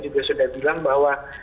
juga sudah bilang bahwa